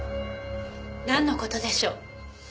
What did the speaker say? なんの事でしょう？